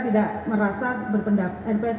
dan tidak merasa berpendapat lpsk tidak merasa berpendapat